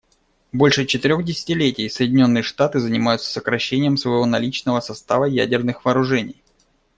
Больше четырех десятилетий Соединенные Штаты занимаются сокращением своего наличного состава ядерных вооружений.